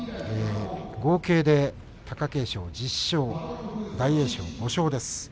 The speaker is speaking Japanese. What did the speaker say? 合計で貴景勝、１０勝大栄翔、５勝です。